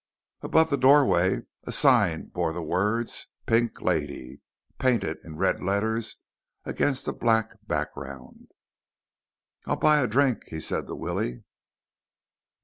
Above the doorway a sign bore the words PINK LADY, painted in red letters against a black background. "I'll buy a drink," he said to Willie.